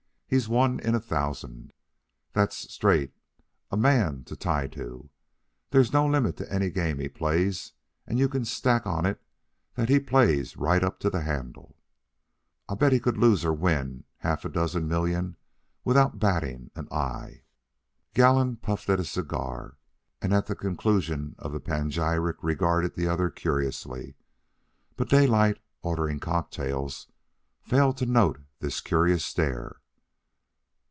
He's one in a thousand, that's straight, a man to tie to. There's no limit to any game he plays, and you can stack on it that he plays right up to the handle. I bet he can lose or win half a dozen million without batting an eye." Gallon puffed at his cigar, and at the conclusion of the panegyric regarded the other curiously; but Daylight, ordering cocktails, failed to note this curious stare.